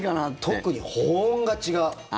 特に保温が違う。